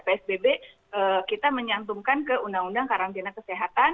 psbb kita menyantumkan ke undang undang karantina kesehatan